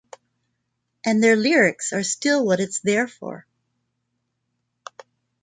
And their lyrics are still what it's there for.